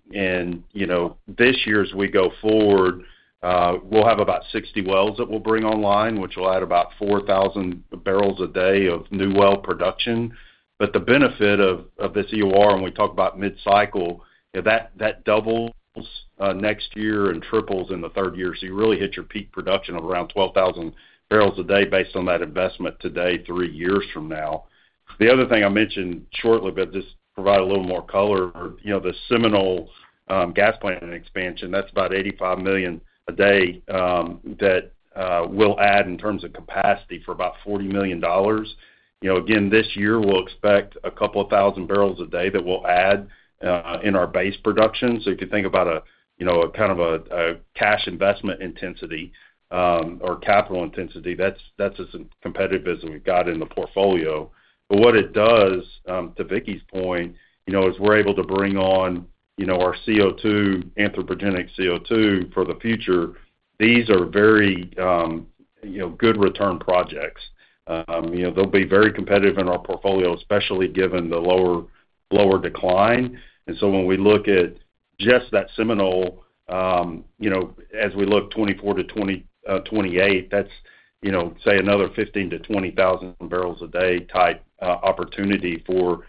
this year, as we go forward, we'll have about 60 wells that we'll bring online, which will add about 4,000 bbl a day of new well production. But the benefit of this EOR, and we talk about midcycle, that doubles next year and triples in the third year. So you really hit your peak production of around 12,000 bbl a day based on that investment today, three years from now. The other thing I mentioned shortly, but just provide a little more color, the Seminole gas plant expansion, that's about 85 million a day that will add in terms of capacity for about $40 million. Again, this year, we'll expect a 2,000 bbl a day that we'll add in our base production. So if you think about a kind of a cash investment intensity or capital intensity, that's a competitive business we've got in the portfolio. But what it does, to Vicki's point, is we're able to bring on our anthropogenic CO2 for the future. These are very good return projects. They'll be very competitive in our portfolio, especially given the lower decline. And so when we look at just that Seminole, as we look 2024-2028, that's, say, another 15,000 bbl-20,000 bbl a day type opportunity for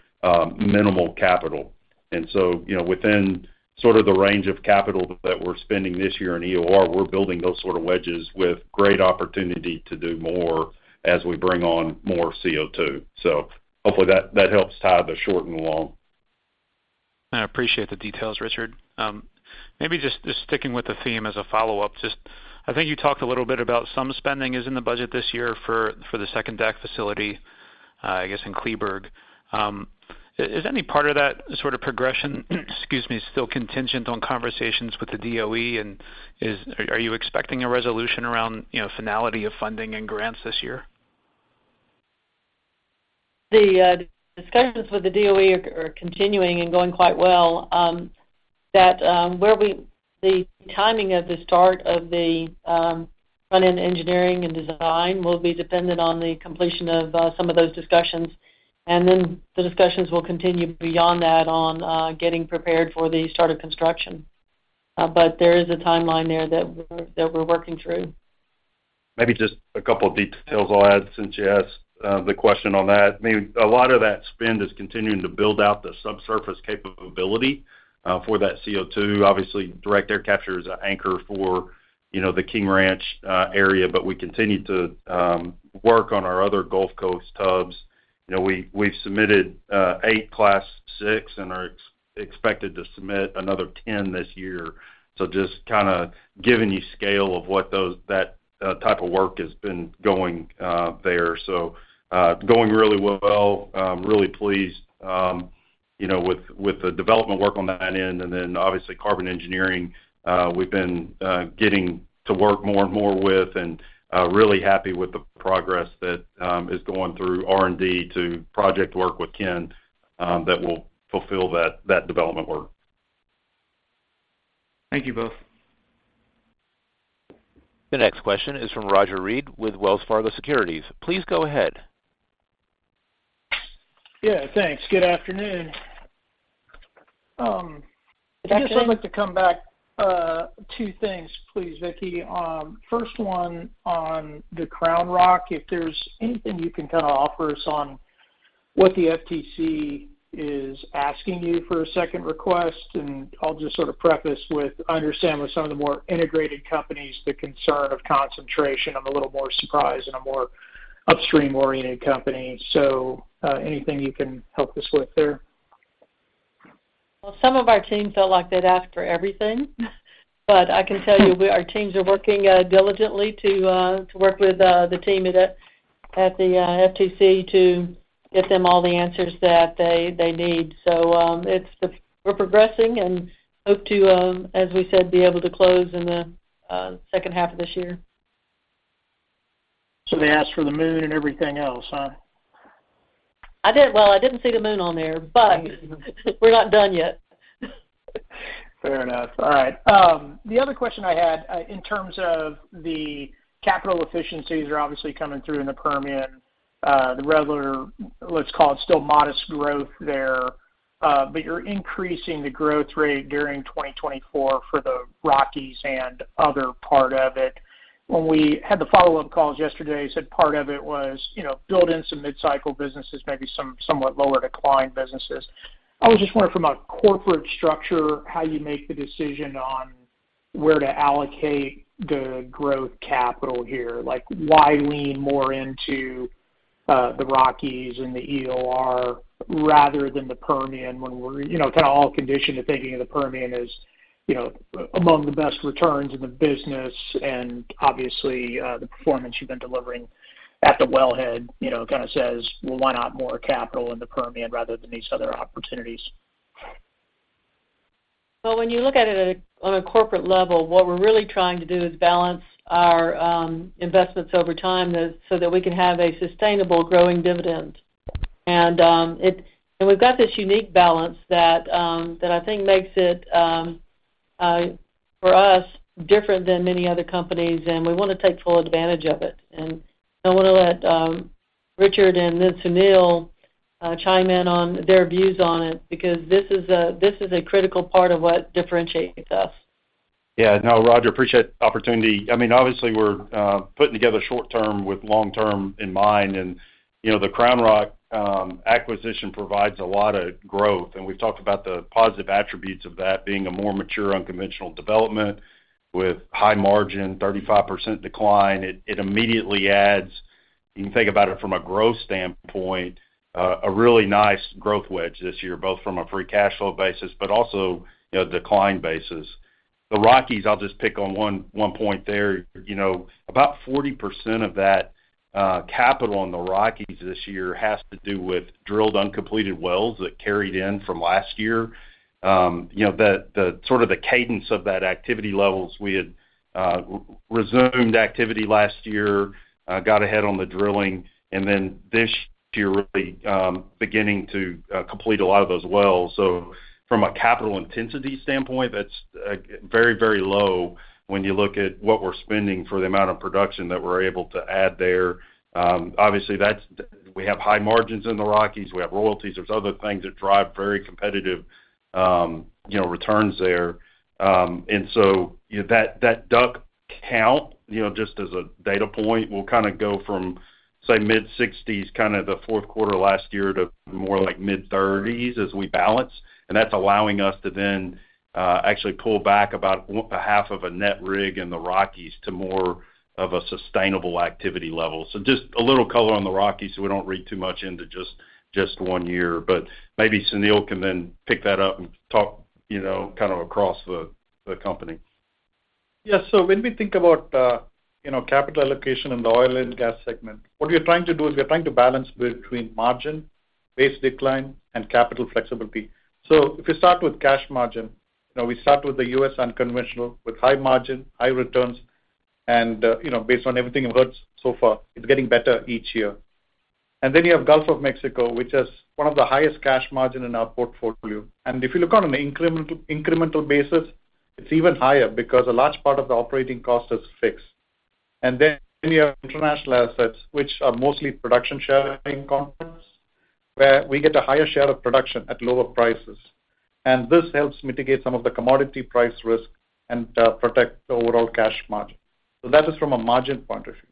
minimal capital. And so within sort of the range of capital that we're spending this year in EOR, we're building those sort of wedges with great opportunity to do more as we bring on more CO2. So hopefully, that helps tie the short and the long. I appreciate the details, Richard. Maybe just sticking with the theme as a follow-up, I think you talked a little bit about some spending is in the budget this year for the second DAC facility, I guess, in Kleberg. Is any part of that sort of progression - excuse me - still contingent on conversations with the DOE? And are you expecting a resolution around finality of funding and grants this year? The discussions with the DOE are continuing and going quite well. The timing of the start of the front-end engineering and design will be dependent on the completion of some of those discussions. And then the discussions will continue beyond that on getting prepared for the start of construction. But there is a timeline there that we're working through. Maybe just a couple of details I'll add since you asked the question on that. I mean, a lot of that spend is continuing to build out the subsurface capability for that CO2. Obviously, direct air capture is an anchor for the King Ranch area, but we continue to work on our other Gulf Coast hubs. We've submitted eight Class VI and are expected to submit another 10 this year. So just kind of giving you scale of what that type of work has been going there. So going really well. Really pleased with the development work on that end. And then, obviously, Carbon Engineering, we've been getting to work more and more with and really happy with the progress that is going through R&D to project work with Ken that will fulfill that development work. Thank you both. The next question is from Roger Read with Wells Fargo Securities. Please go ahead. Yeah. Thanks. Good afternoon. I guess I'd like to come back to two things, please, Vicki. First one, on the CrownRock, if there's anything you can kind of offer us on what the FTC is asking you for a second request? I'll just sort of preface with, I understand with some of the more integrated companies, the concern of concentration. I'm a little more surprised in a more upstream-oriented company. So anything you can help us with there? Well, some of our teams felt like they'd asked for everything. But I can tell you, our teams are working diligently to work with the team at the FTC to get them all the answers that they need. So we're progressing and hope to, as we said, be able to close in the second half of this year. They asked for the moon and everything else, huh? Well, I didn't see the moon on there, but we're not done yet. Fair enough. All right. The other question I had in terms of the capital efficiencies are obviously coming through in the Permian. Let's call it still modest growth there. But you're increasing the growth rate during 2024 for the Rockies and other part of it. When we had the follow-up calls yesterday, you said part of it was build in some midcycle businesses, maybe some somewhat lower-decline businesses. I was just wondering from a corporate structure, how you make the decision on where to allocate the growth capital here. Why lean more into the Rockies and the EOR rather than the Permian when we're kind of all conditioned to thinking of the Permian as among the best returns in the business? And obviously, the performance you've been delivering at the wellhead kind of says, "Well, why not more capital in the Permian rather than these other opportunities? Well, when you look at it on a corporate level, what we're really trying to do is balance our investments over time so that we can have a sustainable growing dividend. And we've got this unique balance that I think makes it, for us, different than many other companies. And we want to take full advantage of it. And I want to let Richard and then Sunil chime in on their views on it because this is a critical part of what differentiates us. Yeah. No, Roger, appreciate the opportunity. I mean, obviously, we're putting together short-term with long-term in mind. The CrownRock acquisition provides a lot of growth. We've talked about the positive attributes of that being a more mature, unconventional development with high margin, 35% decline. It immediately adds. You can think about it from a growth standpoint, a really nice growth wedge this year, both from a free cash flow basis but also a decline basis. The Rockies, I'll just pick on one point there. About 40% of that capital on the Rockies this year has to do with drilled, uncompleted wells that carried in from last year. Sort of the cadence of that activity levels, we had resumed activity last year, got ahead on the drilling, and then this year really beginning to complete a lot of those wells. So from a capital intensity standpoint, that's very, very low when you look at what we're spending for the amount of production that we're able to add there. Obviously, we have high margins in the Rockies. We have royalties. There's other things that drive very competitive returns there. And so that DUC count, just as a data point, will kind of go from, say, mid-60s, kind of the fourth quarter last year to more like mid-30s as we balance. And that's allowing us to then actually pull back about half of a net rig in the Rockies to more of a sustainable activity level. So just a little color on the Rockies so we don't read too much into just one year. But maybe Sunil can then pick that up and talk kind of across the company. Yeah. So when we think about capital allocation in the oil and gas segment, what we're trying to do is we're trying to balance between margin, base decline, and capital flexibility. So if you start with cash margin, we start with the U.S. unconventional with high margin, high returns. And based on everything I've heard so far, it's getting better each year. And then you have Gulf of Mexico, which has one of the highest cash margin in our portfolio. And if you look on an incremental basis, it's even higher because a large part of the operating cost is fixed. And then you have international assets, which are mostly production-sharing contracts where we get a higher share of production at lower prices. And this helps mitigate some of the commodity price risk and protect the overall cash margin. So that is from a margin point of view.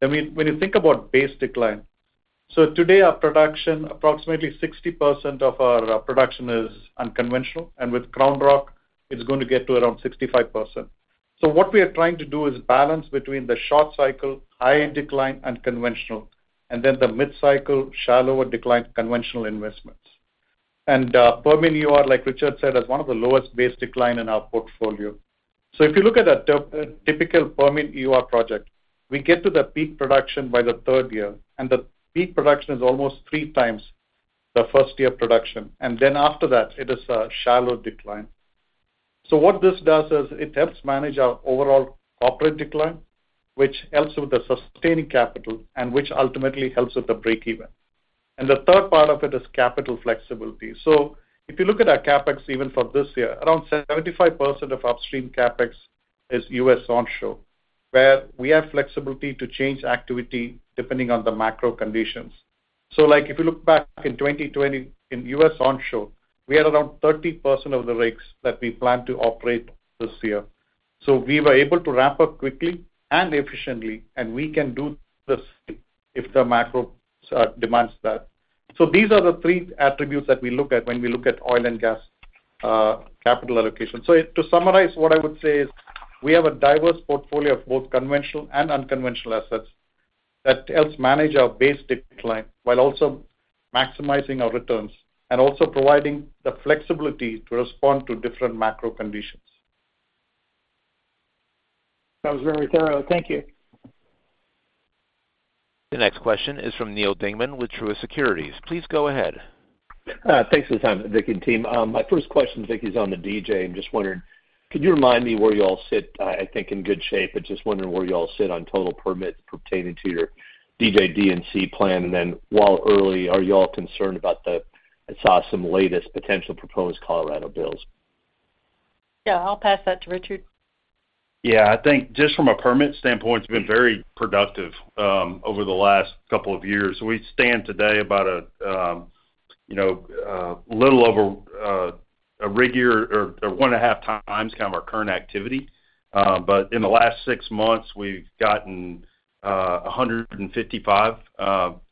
Then when you think about base decline, so today, approximately 60% of our production is unconventional. And with CrownRock, it's going to get to around 65%. So what we are trying to do is balance between the short-cycle, high decline, and conventional, and then the midcycle, shallower decline, conventional investments. And Permian EOR, like Richard said, has one of the lowest base decline in our portfolio. So if you look at a typical Permian EOR project, we get to the peak production by the third year. And the peak production is almost three times the first-year production. And then after that, it is a shallow decline. So what this does is it helps manage our overall corporate decline, which helps with the sustaining capital and which ultimately helps with the breakeven. And the third part of it is capital flexibility. So if you look at our CapEx, even for this year, around 75% of upstream CapEx is U.S. onshore where we have flexibility to change activity depending on the macro conditions. So if you look back in 2020 in U.S. onshore, we had around 30% of the rigs that we planned to operate this year. So we were able to wrap up quickly and efficiently. And we can do this if the macro demands that. So these are the three attributes that we look at when we look at oil and gas capital allocation. So to summarize, what I would say is we have a diverse portfolio of both conventional and unconventional assets that helps manage our base decline while also maximizing our returns and also providing the flexibility to respond to different macro conditions. That was very thorough. Thank you. The next question is from Neil Dingmann with Truist Securities. Please go ahead. Thanks for the time, Vicki and team. My first question, Vicki, is on the DJ. I'm just wondering, could you remind me where you all sit? I think in good shape, but just wondering where you all sit on total permits pertaining to your DJ D&C plan. And then while early, are you all concerned about the I saw some latest potential proposed Colorado bills? Yeah. I'll pass that to Richard. Yeah. I think just from a permit standpoint, it's been very productive over the last couple of years. We stand today about a little over a rig year or 1.5x kind of our current activity. But in the last six months, we've gotten 155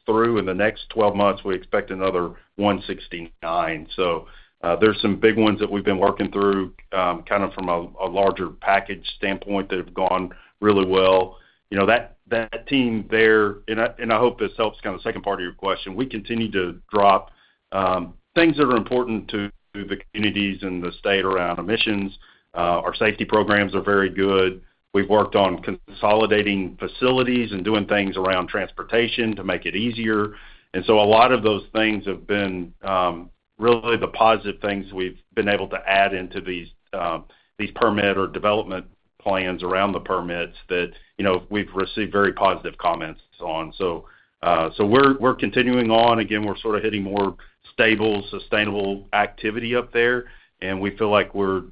through. In the next 12 months, we expect another 169. So there's some big ones that we've been working through kind of from a larger package standpoint that have gone really well. That team there, and I hope this helps kind of the second part of your question, we continue to drop things that are important to the communities and the state around emissions. Our safety programs are very good. We've worked on consolidating facilities and doing things around transportation to make it easier. And so, a lot of those things have been really the positive things we've been able to add into these permit or development plans around the permits that we've received very positive comments on. So we're continuing on. Again, we're sort of hitting more stable, sustainable activity up there. And we feel like we're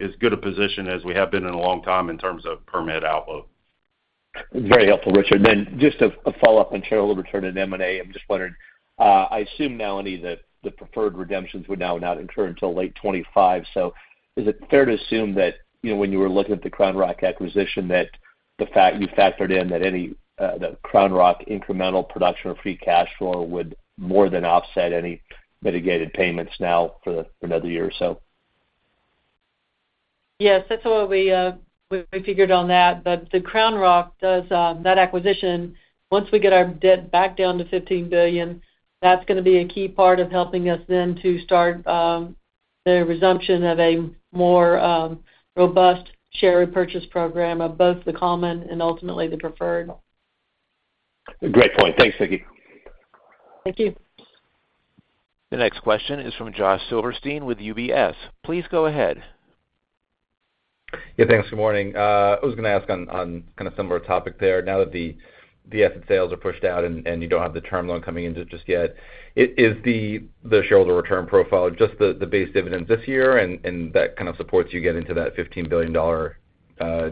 as good a position as we have been in a long time in terms of permit outlook. Very helpful, Richard. Then just a follow-up and share a little return to M&A. I'm just wondering, I assume now, Andy, that the preferred redemptions would now not occur until late 2025. So is it fair to assume that when you were looking at the CrownRock acquisition, that you factored in that the CrownRock incremental production of free cash flow would more than offset any mitigated payments now for another year or so? Yes. That's what we figured on that. But the CrownRock, that acquisition, once we get our debt back down to $15 billion, that's going to be a key part of helping us then to start the resumption of a more robust share repurchase program of both the common and ultimately the preferred. Great point. Thanks, Vicki. Thank you. The next question is from Josh Silverstein with UBS. Please go ahead. Yeah. Thanks. Good morning. I was going to ask on kind of a similar topic there. Now that the asset sales are pushed out and you don't have the term loan coming in just yet, is the shareholder return profile just the base dividends this year, and that kind of supports you get into that $15 billion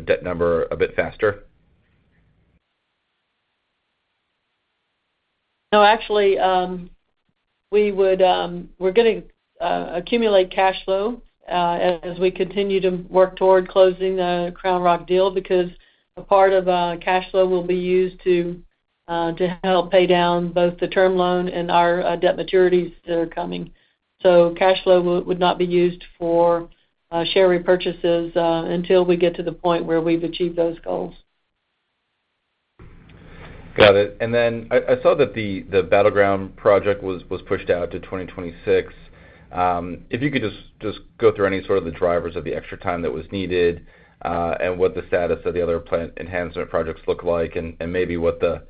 debt number a bit faster? No. Actually, we're going to accumulate cash flow as we continue to work toward closing the CrownRock deal because a part of cash flow will be used to help pay down both the term loan and our debt maturities that are coming. So cash flow would not be used for share repurchases until we get to the point where we've achieved those goals. Got it. And then I saw that the Battleground project was pushed out to 2026. If you could just go through any sort of the drivers of the extra time that was needed and what the status of the other enhancement projects look like and maybe what the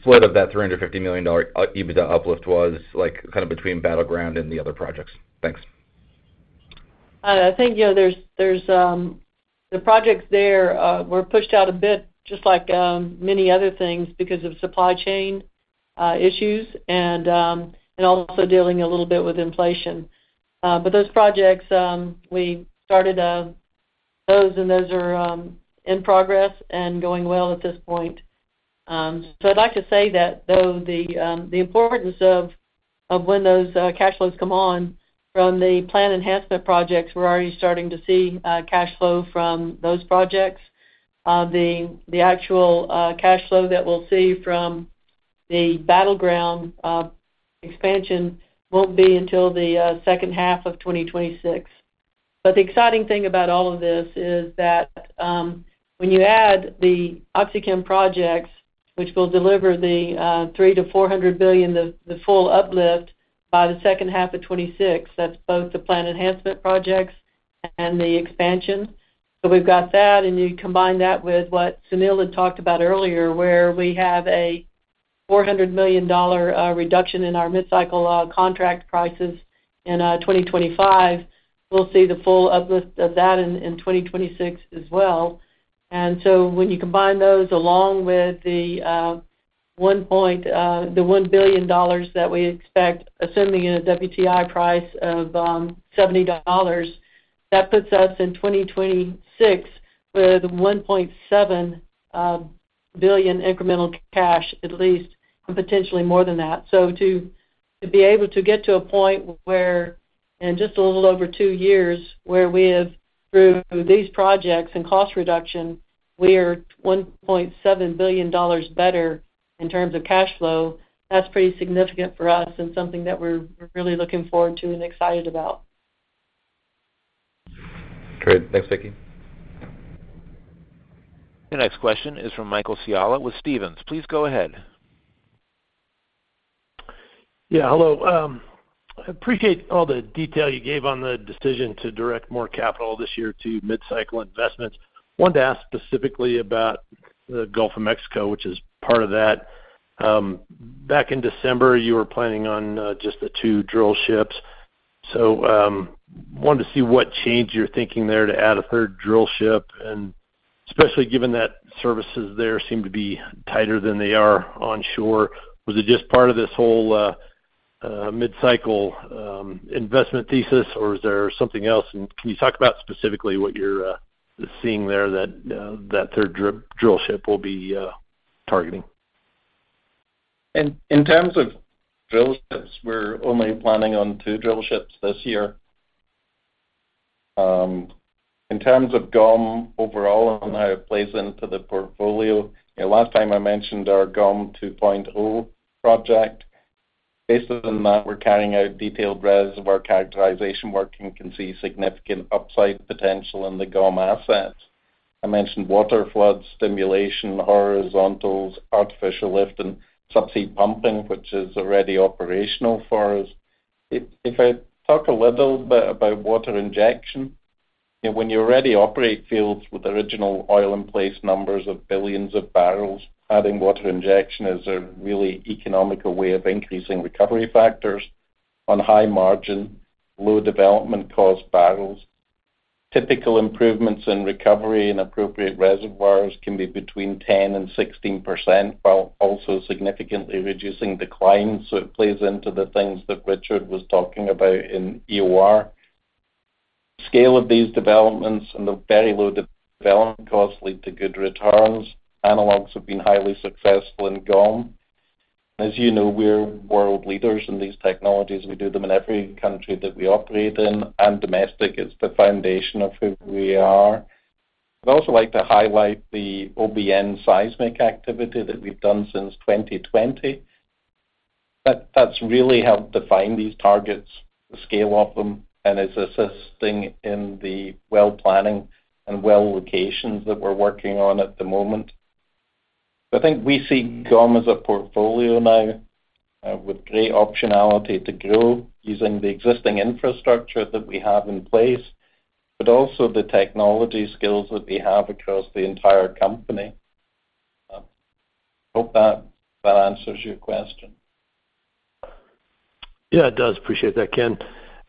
split of that $350 million EBITDA uplift was kind of between Battleground and the other projects? Thanks. I think the projects there were pushed out a bit just like many other things because of supply chain issues and also dealing a little bit with inflation. But those projects, we started those, and those are in progress and going well at this point. So I'd like to say that, though, the importance of when those cash flows come on from the plant enhancement projects, we're already starting to see cash flow from those projects. The actual cash flow that we'll see from the Battleground expansion won't be until the second half of 2026. But the exciting thing about all of this is that when you add the OxyChem projects, which will deliver the $300 million-$400 million, the full uplift by the second half of 2026, that's both the plant enhancement projects and the expansion. So we've got that. You combine that with what Sunil had talked about earlier where we have a $400 million reduction in our midcycle contract prices in 2025. We'll see the full uplift of that in 2026 as well. So when you combine those along with the $1 billion that we expect, assuming in a WTI price of $70, that puts us in 2026 with $1.7 billion incremental cash at least and potentially more than that. To be able to get to a point where, in just a little over two years, where we have, through these projects and cost reduction, we are $1.7 billion better in terms of cash flow, that's pretty significant for us and something that we're really looking forward to and excited about. Great. Thanks, Vicki. The next question is from Michael Scialla with Stephens. Please go ahead. Yeah. Hello. I appreciate all the detail you gave on the decision to direct more capital this year to midcycle investments. I wanted to ask specifically about the Gulf of Mexico, which is part of that. Back in December, you were planning on just the two drill ships. So I wanted to see what change you're thinking there to add a third drill ship, especially given that services there seem to be tighter than they are onshore. Was it just part of this whole midcycle investment thesis, or is there something else? And can you talk about specifically what you're seeing there that that third drill ship will be targeting? In terms of drill ships, we're only planning on two drill ships this year. In terms of GOM overall and how it plays into the portfolio, last time I mentioned our GOM 2.0 project. Based on that, we're carrying out detailed revisions of our characterization work and can see significant upside potential in the GOM assets. I mentioned water flood stimulation, horizontals, artificial lift, and subsea pumping, which is already operational for us. If I talk a little bit about water injection, when you already operate fields with original oil-in-place numbers of billions of barrels, adding water injection is a really economical way of increasing recovery factors on high margin, low development cost barrels. Typical improvements in recovery in appropriate reservoirs can be between 10%-16% while also significantly reducing declines. So it plays into the things that Richard was talking about in EOR. The scale of these developments and the very low development costs lead to good returns. Analogs have been highly successful in GOM. As you know, we're world leaders in these technologies. We do them in every country that we operate in. Domestic is the foundation of who we are. I'd also like to highlight the OBN seismic activity that we've done since 2020. That's really helped define these targets, the scale of them, and is assisting in the well planning and well locations that we're working on at the moment. I think we see GOM as a portfolio now with great optionality to grow using the existing infrastructure that we have in place but also the technology skills that we have across the entire company. I hope that answers your question. Yeah. It does. Appreciate that, Ken.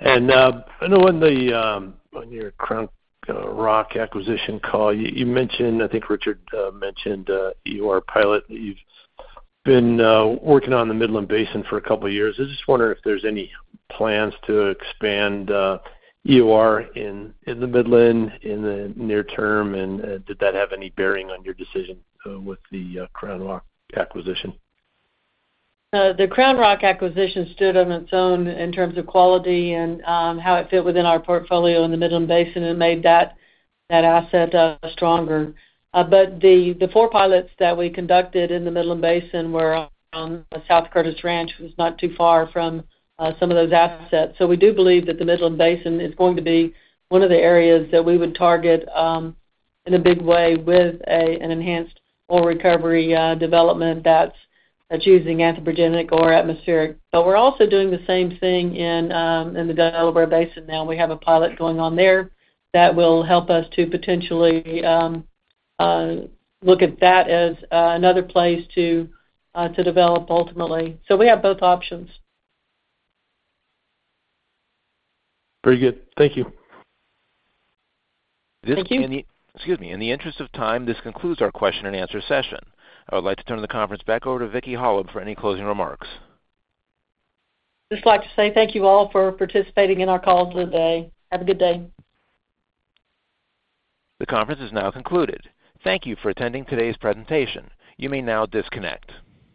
I know on your CrownRock acquisition call, I think Richard mentioned EOR pilot that you've been working on the Midland Basin for a couple of years. I just wonder if there's any plans to expand EOR in the Midland in the near term, and did that have any bearing on your decision with the CrownRock acquisition? The CrownRock acquisition stood on its own in terms of quality and how it fit within our portfolio in the Midland Basin. It made that asset stronger. But the four pilots that we conducted in the Midland Basin were on the South Curtis Ranch, which was not too far from some of those assets. So we do believe that the Midland Basin is going to be one of the areas that we would target in a big way with an enhanced oil recovery development that's using anthropogenic or atmospheric. But we're also doing the same thing in the Delaware Basin now. We have a pilot going on there that will help us to potentially look at that as another place to develop ultimately. So we have both options. Very good. Thank you. Thank you. Excuse me. In the interest of time, this concludes our question-and-answer session. I would like to turn the conference back over to Vicki Hollub for any closing remarks. I'd just like to say thank you all for participating in our calls today. Have a good day. The conference is now concluded. Thank you for attending today's presentation. You may now disconnect.